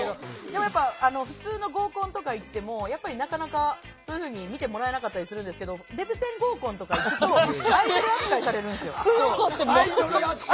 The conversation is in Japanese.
普通の合コンとか行ってもなかなか、そういうふうに見てもらえなかったりするんですがデブ専合コンとかいくとアイドル扱いされるんですよ。